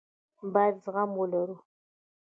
بايد زغم ولرو.